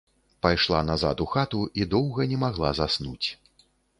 Пайшла назад у хату і доўга не магла заснуць.